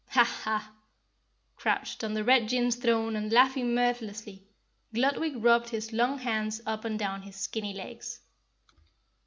"Ha, ha!" Crouched on the Red Jinn's throne and laughing mirthlessly, Gludwig rubbed his long hands up and down his skinny knees.